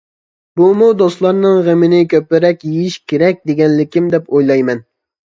بۇمۇ دوستلارنىڭ غېمىنى كۆپرەك يېيىش كېرەك دېگەنلىكىم دەپ ئويلايمەن.